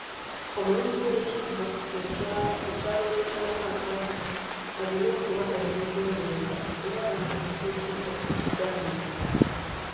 Omulusi w'ekibbo ekyalulirwamu abaana alina okuba omwegendereza okulaba ng'aluka ekibbo ekiganda.